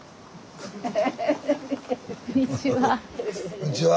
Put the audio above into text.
こんにちは。